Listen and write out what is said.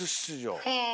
へえ。